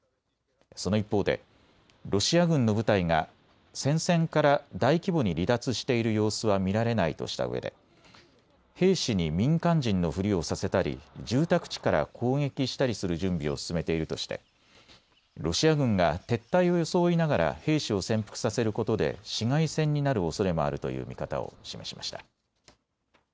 その一方でロシア軍の部隊が戦線から大規模に離脱している様子は見られないとしたうえで兵士に民間人のふりをさせたり住宅地から攻撃したりする準備を進めているとしてロシア軍が撤退を装いながら兵士を潜伏させることで市街戦になるおそれもあるという見方を示しました。